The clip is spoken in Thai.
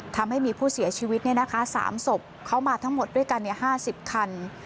ทำให้มีผู้เสียชีวิต๓ศพเขามาทั้งหมดด้วยกัน๕๐คัน